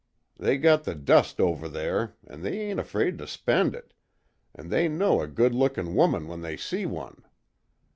They got the dust over there, an' they ain't afraid to spend it an' they know a good lookin' woman when they see one.